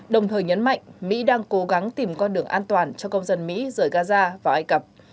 đồng thời nhấn mạnh mỹ đang cố gắng tìm con đường an toàn cho công dân mỹ rời gaza vào ai cập